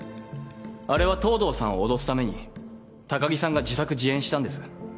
あれは藤堂さんを脅すために高城さんが自作自演したんです。